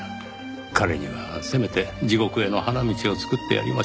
彼にはせめて地獄への花道を作ってやりましょう。